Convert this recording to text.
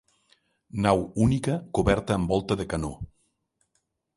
Nau única coberta amb volta de canó.